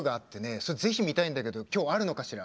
それ、ぜひ見たいんだけどきょう、あるのかしら？